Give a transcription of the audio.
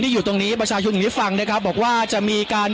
เดี๋ยวฟังบริกาศสักครู่นะครับคุณผู้ชมครับ